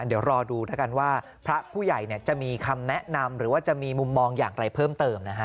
เดี๋ยวรอดูแล้วกันว่าพระผู้ใหญ่จะมีคำแนะนำหรือว่าจะมีมุมมองอย่างไรเพิ่มเติมนะฮะ